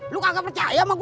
lo gak percaya sama gue